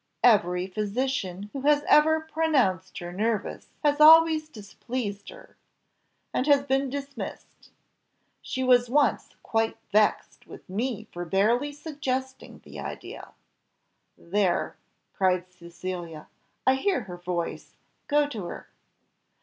Every physician who has ever pronounced her nervous has always displeased her, and has been dismissed. She was once quite vexed with me for barely suggesting the idea. There," cried Cecilia, "I hear her voice, go to her."